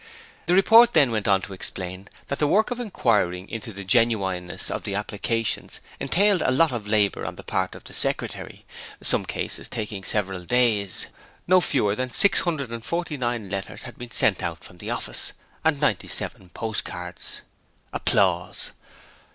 The report then went on to explain that the work of inquiring into the genuineness of the applications entailed a lot of labour on the part of the Secretary, some cases taking several days. No fewer than 649 letters had been sent out from the office, and 97 postcards.